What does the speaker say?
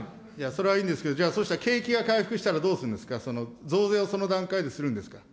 それはいいんですけど、じゃあそしたら景気が回復したらどうするんですか、その増税をその段階でするんですか。